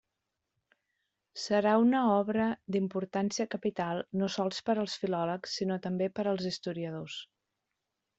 Serà una obra d'importància capital no sols per als filòlegs, sinó també per als historiadors.